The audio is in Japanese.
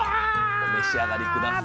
お召し上がり下さい。